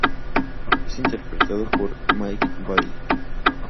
Es interpretado por Mike Bailey.